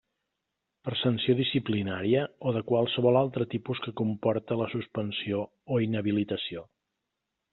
Per sanció disciplinària o de qualsevol altre tipus que comporte la suspensió o inhabilitació.